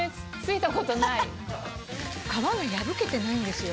皮が破けてないんですよ。